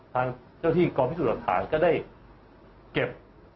ทางเจ้าที่กองพิสูจน์หลักฐานก็ได้เก็บ